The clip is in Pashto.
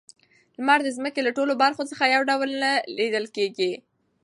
لمر د ځمکې له ټولو برخو څخه یو ډول نه لیدل کیږي.